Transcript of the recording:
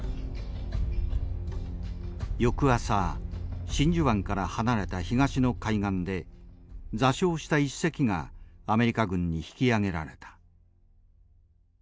翌朝真珠湾から離れた東の海岸で座礁した１隻がアメリカ軍に引き揚げられた。